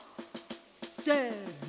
せの！